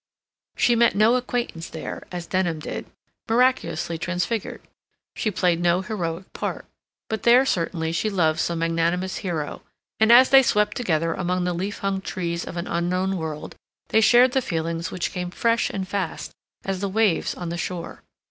She met no acquaintance there, as Denham did, miraculously transfigured; she played no heroic part. But there certainly she loved some magnanimous hero, and as they swept together among the leaf hung trees of an unknown world, they shared the feelings which came fresh and fast as the waves on the shore.